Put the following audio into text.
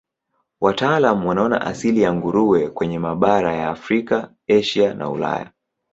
Wataalamu wanaona asili ya nguruwe kwenye mabara ya Afrika, Asia na Ulaya.